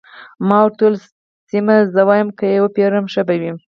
ما ورته وویل: سیمه، زه وایم که يې وپېرم، ښه به وي.